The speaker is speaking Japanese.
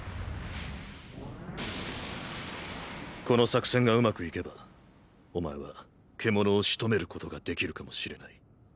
この作戦が上手くいけばお前は獣を仕留めることができるかもしれない。